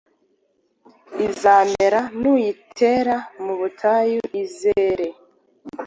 izamere, nuyitera mu butayu izere,